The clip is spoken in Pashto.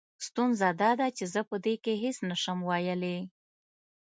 ستونزه دا ده چې زه په دې کې هېڅ نه شم ويلې.